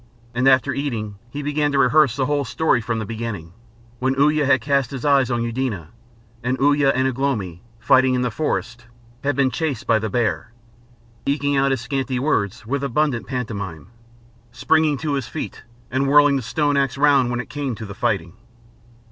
And after eating he began to rehearse the whole story from the beginning, when Uya had cast his eyes on Eudena, and Uya and Ugh lomi, fighting in the forest, had been chased by the bear, eking out his scanty words with abundant pantomime, springing to his feet and whirling the stone axe round when it came to the fighting.